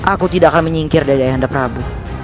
aku tidak akan menyingkir dari ayanda prabu